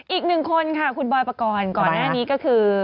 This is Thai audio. อีกหนึ่งคนค่ะก่อนหน้านี้ก็คือ